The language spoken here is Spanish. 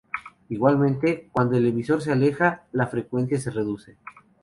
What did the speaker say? Igualmente, cuando el emisor se aleja, la frecuencia se reduce.